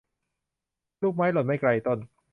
ลูกไม้หล่นไม่ไกลต้น